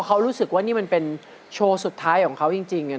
คณะกรรมการเชิญเลยครับพี่อยากให้ก่อนก็ได้จ้ะนู้นไปก่อนเพื่อนเลย